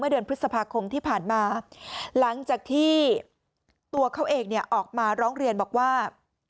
เดือนพฤษภาคมที่ผ่านมาหลังจากที่ตัวเขาเองเนี่ยออกมาร้องเรียนบอกว่า